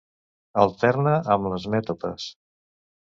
Alterna amb les mètopes.